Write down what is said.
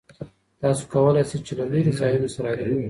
تاسو کولای شئ چې له لرې ځایونو سره اړیکه ونیسئ.